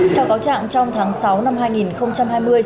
theo cáo trạng trong tháng sáu năm hai nghìn hai mươi